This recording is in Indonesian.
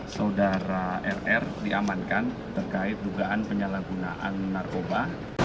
saudara rr diamankan terkait dugaan penyalahgunaan narkoba